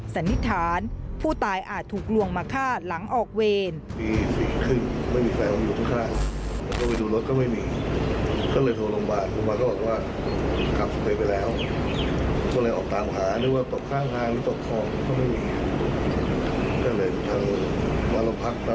สันนิษฐานผู้ตายอาจถูกลวงมาฆ่าหลังออกเวร